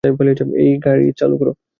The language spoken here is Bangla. এই, গাড়ি চালু করো।